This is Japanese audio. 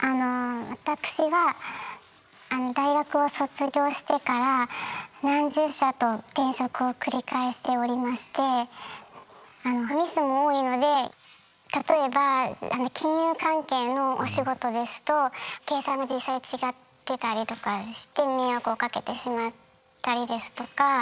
あの私は大学を卒業してから何十社と転職を繰り返しておりましてミスも多いので例えば金融関係のお仕事ですと計算が実際違ってたりとかして迷惑をかけてしまったりですとか。